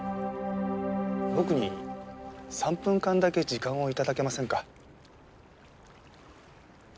僕に３分間だけ時間を頂けませんか？